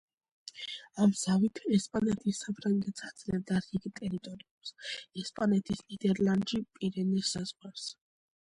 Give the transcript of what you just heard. ამ ზავით ესპანეთი საფრანგეთს აძლევდა რიგ ტერიტორიებს ესპანეთის ნიდერლანდში, პირენეს საზღვარზე.